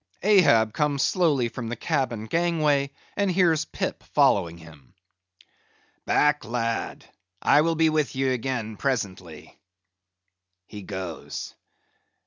—Ahab comes slowly from the cabin gangway, and hears Pip following him._ "Back, lad; I will be with ye again presently. He goes!